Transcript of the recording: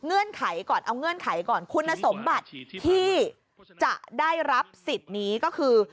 ไขก่อนเอาเงื่อนไขก่อนคุณสมบัติที่จะได้รับสิทธิ์นี้ก็คือ